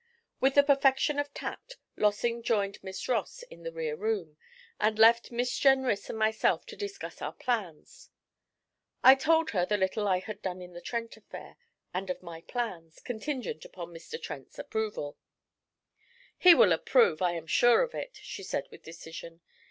With the perfection of tact Lossing joined Miss Ross in the rear room, and left Miss Jenrys and myself to discuss our plans. I told her the little I had done in the Trent affair, and of my plans, contingent upon Mr. Trent's approval. 'He will approve, I am sure of it,' she said with decision.